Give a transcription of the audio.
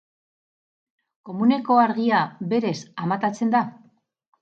Komuneko argia berez amatatzen da?